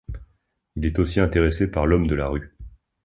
Il est aussi intéressé par l'homme de la rue.